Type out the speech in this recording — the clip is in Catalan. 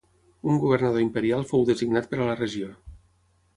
Un governador imperial fou designat per a la regió.